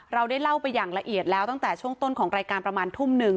เราได้เล่าไปอย่างละเอียดแล้วตั้งแต่ช่วงต้นของรายการประมาณทุ่มหนึ่ง